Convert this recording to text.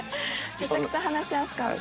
めちゃくちゃ話しやすかった。